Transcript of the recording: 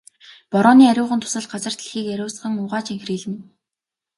Борооны ариухан дусал газар дэлхийг ариусган угааж энхрийлнэ.